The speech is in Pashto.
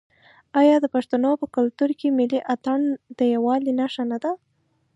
آیا د پښتنو په کلتور کې ملي اتن د یووالي نښه نه ده؟